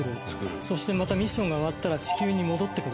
そしてまたミッションが終わったら地球に戻ってくる。